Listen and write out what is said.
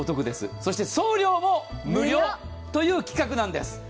そして送料も無料という企画なんです。